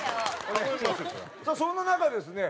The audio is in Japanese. そんな中ですね